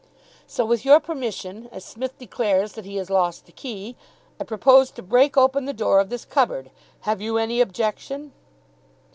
"So with your permission, as Smith declares that he has lost the key, I propose to break open the door of this cupboard. Have you any objection?"